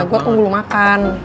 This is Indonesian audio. gue aku belum makan